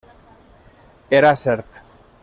Era cert.